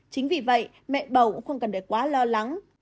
chính vì vậy mẹ bầu cũng không cần phải quá lo lắng